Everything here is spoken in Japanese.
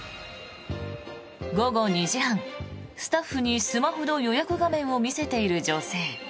午後２時半、スタッフにスマホの予約画面を見せている女性。